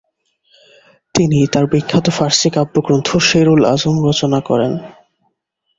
তিনি তার বিখ্যাত ফার্সি কাব্যগ্রন্থ শেরুল আজম রচনা করেন।